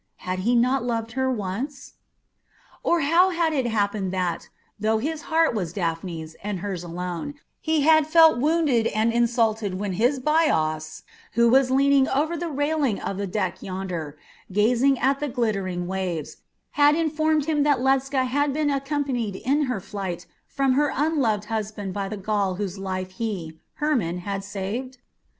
Had he not loved her once? Or how had it happened that, though his heart was Daphne's, and hers alone, he had felt wounded and insulted when his Bias, who was leaning over the railing of the deck yonder, gazing at the glittering waves, had informed him that Ledscha had been accompanied in her flight from her unloved husband by the Gaul whose life he, Hermon, had saved?